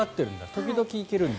時々いけるんだ。